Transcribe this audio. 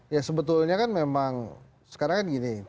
ya sebetulnya kan memang sekarang kan gini